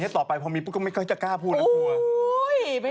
แต่พอพูดอย่างนี้ต่อไปพอมีก็ไม่กล้าพูดนะครับ